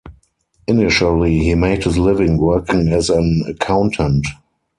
Initially he made his living working as an accountant.